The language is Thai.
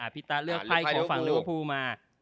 พี่ต้าเลือกภายโคฟังหรือว่าพูมา